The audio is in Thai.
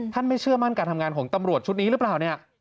ไม่เชื่อมั่นการทำงานของตำรวจชุดนี้หรือเปล่าเนี่ย